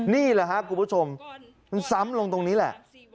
นี่แหละครับคุณผู้ชมมันซ้ำลงตรงนี้แหละ